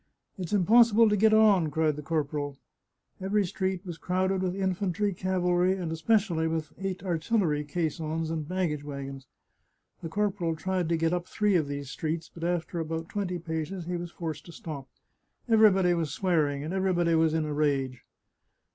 " It's impossible to get on !" cried the corporal. Every street was crowded with infantry, cavalry, and especially with artillery caissons and baggage wagons. The corporal tried to get up three of these streets, but after about twenty paces he was forced to stop. Everybody was swearing, and everybody was in a rage.